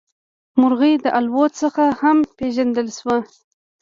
مرغۍ د الوت څخه هم پېژندلی شو.